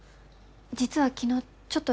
実は昨日ちょっと。